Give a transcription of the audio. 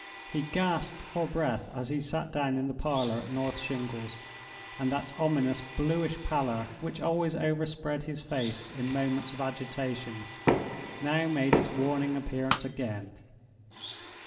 He gasped for breath as he sat down in the parlor at North Shingles, and that ominous bluish pallor which always overspread his face in moments of agitation now made its warning appearance again.